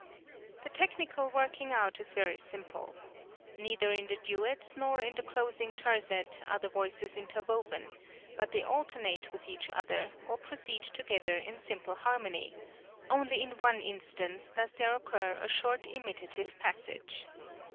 The technical working out is very simple. Neither in the duets nor in the closing terzet are the voices interwoven; but they {THE FIRST OPERA IN VIENNA.} (94) alternate with each other, or proceed together in simple harmony; only in one instance does there occur a short imitative passage.